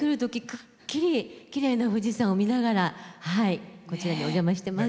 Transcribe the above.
きれいな富士山を見ながらこちらにお邪魔してます。